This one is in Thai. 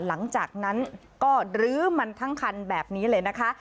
หลังจากนั้นก็ลื้อมันทั้งคันแบบนี้เลยนะคะ